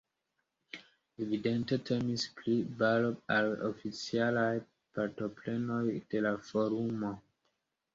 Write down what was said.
Evidente temis pri baro al oficialaj partoprenoj de la forumo.